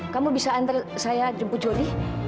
kamu bisa antar saya jemput jody